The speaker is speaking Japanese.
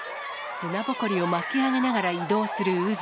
砂ぼこりを巻き上げながら移動する渦。